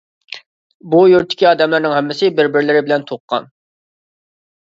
بۇ يۇرتتىكى ئادەملەرنىڭ ھەممىسى بىر-بىرلىرى بىلەن تۇغقان .